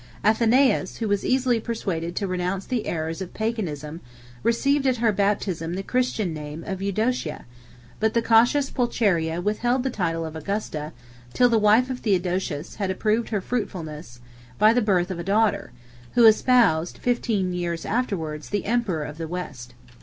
Athenais, who was easily persuaded to renounce the errors of Paganism, received at her baptism the Christian name of Eudocia; but the cautious Pulcheria withheld the title of Augusta, till the wife of Theodosius had approved her fruitfulness by the birth of a daughter, who espoused, fifteen years afterwards, the emperor of the West.